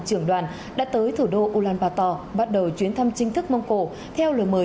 của tổng thống mông cổ